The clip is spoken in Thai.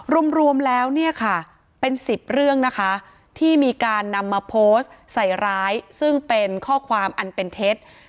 รวมแล้วเนี่ยค่ะเป็น๑๐เรื่องนะคะที่มีการนำมาโพสต์ใส่ร้ายซึ่งเป็นข้อความอันเป็นเท็จ